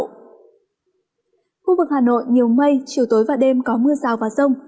khu vực hà nội nhiều mây chiều tối và đêm có mưa rào và rông